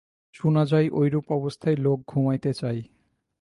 শুনা যায়, ঐরূপ অবস্থায় লোক ঘুমাইতে চায়।